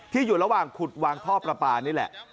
อยู่ระหว่างขุดวางท่อประปานี่แหละ